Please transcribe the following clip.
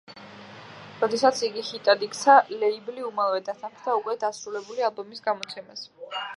როდესაც იგი ჰიტად იქცა, ლეიბლი უმალვე დათანხმდა უკვე დასრულებული ალბომის გამოცემაზე.